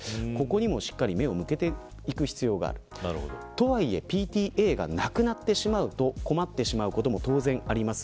とはいえＰＴＡがなくなってしまうと困ってしまうことも当然あります。